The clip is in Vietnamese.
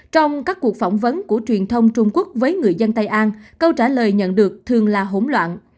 trong các cuộc phỏng vấn của truyền thông trung quốc với người dân tây an câu trả lời nhận được thường là hỗn loạn